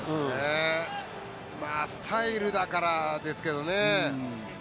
スタイルだからですけどね。